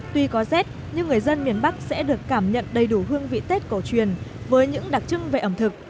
tuy có rét nhưng người dân miền bắc sẽ được cảm nhận đầy đủ hương vị tết cổ truyền với những đặc trưng về ẩm thực